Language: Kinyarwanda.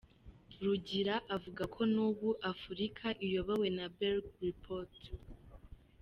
Rugira avuga ko n’ubu Afurika ikiyobowe na Berg Report.